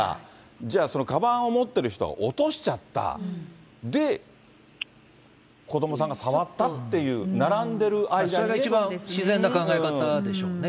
じゃあ、そのかばんを持ってる人が落としちゃった、で、子どもさんが触ったっていう、並んでる間にね。それが一番自然な考え方でしょうね。